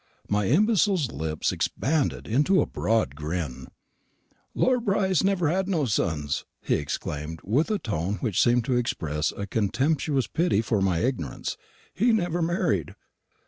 My imbecile's lips expanded into a broad grin. "Lawyer Brice never had no sons," he exclaimed, with a tone which seemed to express a contemptuous pity for my ignorance; "he never married."